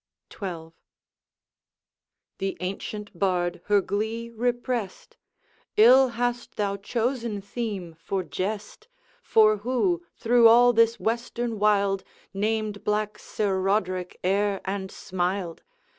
XII.. The ancient bard her glee repressed: 'Ill hast thou chosen theme for jest! For who, through all this western wild, Named Black Sir Roderick e'er, and smiled?